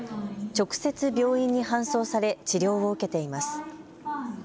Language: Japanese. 直接、病院に搬送され治療を受けています。